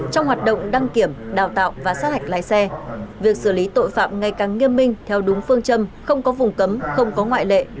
trong hoạt động đăng kiểm đào tạo và sát hạch lái xe việc xử lý tội phạm ngày càng nghiêm minh theo đúng phương châm không có vùng cấm không có ngoại lệ